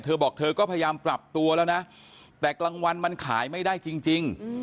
เธอบอกเธอก็พยายามปรับตัวแล้วนะแต่กลางวันมันขายไม่ได้จริง